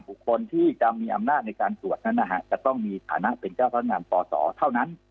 บุคคลที่จะมีอำนาจในการตรวจนั้นนะฮะจะต้องมีฐานะเป็นเจ้าพนักงานปศเท่านั้น